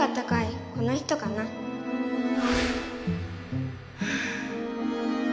この人かな？はあ。